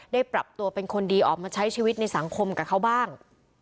ปรับตัวเป็นคนดีออกมาใช้ชีวิตในสังคมกับเขาบ้าง